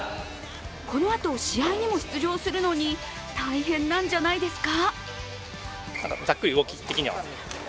このあと試合にも出場するのに、大変なんじゃないですか？